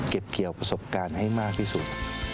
เกี่ยวประสบการณ์ให้มากที่สุด